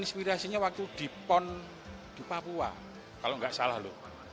inspirasinya waktu di pon di papua kalau nggak salah loh